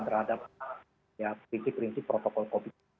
terhadap prinsip prinsip protokol covid sembilan belas